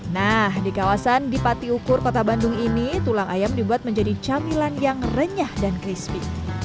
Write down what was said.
nah di kawasan dipati ukur kota bandung ini tulang ayam dibuat menjadi camilan yang renyah dan crispy